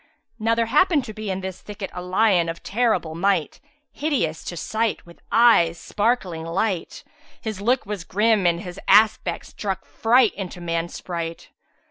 Now there happened to be in this thicket a lion of terrible might; hideous to sight, with eyes sparkling light: his look was grim and his aspect struck fright into man's sprite.